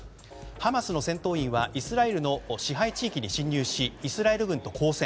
ハマスの戦闘員はイスラエルの支配地域に侵入しイスラエル軍と交戦。